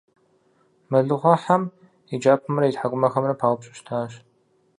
Мэлыхъуэхьэм и кӀапэмрэ и тхьэкӀумэхэмрэ паупщӀу щытащ.